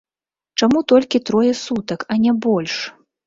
Чаму толькі трое сутак, а не больш?